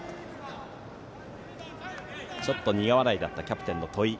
ちょっと苦笑いだったキャプテンの戸井。